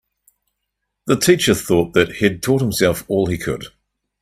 The teacher thought that he'd taught himself all he could.